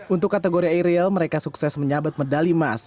untuk kategori aerial mereka sukses menyabet medali emas